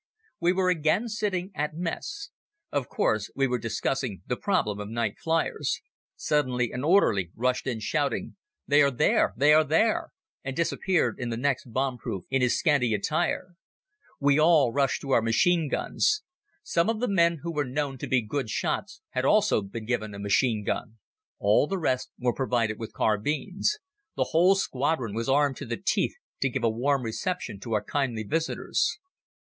We were again sitting at mess. Of course we were discussing the problem of night fliers. Suddenly an orderly rushed in shouting: "They are there! They are there!" and disappeared in the next bomb proof in his scanty attire. We all rushed to our machine guns. Some of the men who were known to be good shots, had also been given a machine gun. All the rest were provided with carbines. The whole squadron was armed to the teeth to give a warm reception to our kindly visitors.